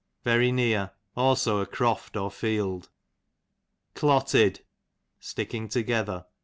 very near; also a croft Close, ) or field. Clotted, sticking together.